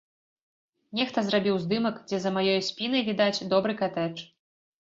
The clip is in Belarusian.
Нехта зрабіў здымак, дзе за маёй спінай відаць добры катэдж.